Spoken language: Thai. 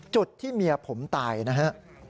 จุดที่เมียผมตายนะฮะ